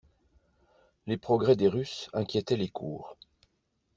Les progrès des Russes inquiétaient les cours.